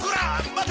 待て！